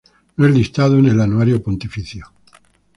No es listado en el Anuario Pontificio.